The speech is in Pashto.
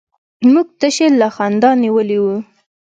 موږ تشي له خندا نيولي وو.